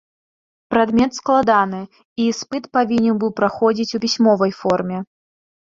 Прадмет складаны, і іспыт павінен быў праходзіць у пісьмовай форме.